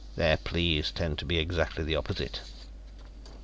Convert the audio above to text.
"Their pleas tend to be exactly the opposite."